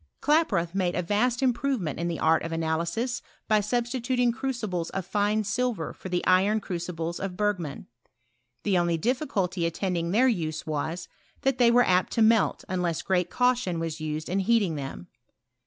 Klaproth made a vast improvement in the art of analysis, by substituting crucibles of tine silver for the iron crucibles of Bergman. The only difficulty attend ing their use was, that they were apt to melt unless great caution was used in heating them.